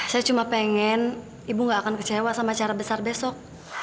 saya cuma pengen ibu gak akan kecewa sama cara besar besok